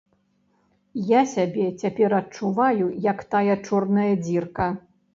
Я сябе цяпер адчуваю як тая чорная дзірка.